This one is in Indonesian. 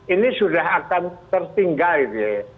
ini sudah akan tertinggal gitu ya